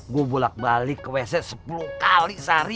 gue bolak balik ke wc sepuluh kali sehari